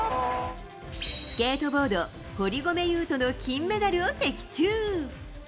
スケートボード、堀米雄斗の金メダルを的中。